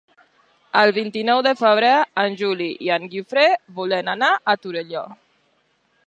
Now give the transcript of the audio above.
El vint-i-nou de febrer en Juli i en Guifré volen anar a Torelló.